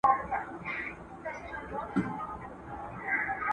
د غالب دیوان په پوره امانتدارۍ وڅېړل سو.